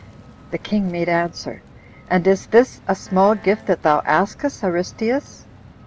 The king made answer, "And is this a small gift that thou askest, Aristeus?"